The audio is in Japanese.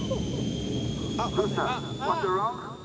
「あっ！」